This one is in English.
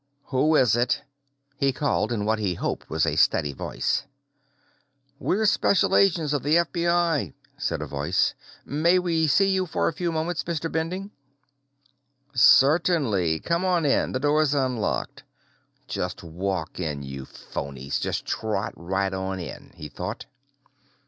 "Who is it?" he called, in what he hoped was a steady voice. "We're Special Agents of the FBI," said a voice. "May we see you for a few moments, Mr. Bending?" "Certainly. Come on in; the door's unlocked." _Just walk in, you phonies! Just trot right on in, he thought.